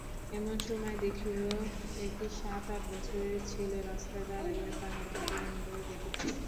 এমন সময় দেখিল একটি সাত-আট বছরের ছেলে রাস্তায় দাঁড়াইয়া তাহার বাড়ির নম্বর দেখিতেছে।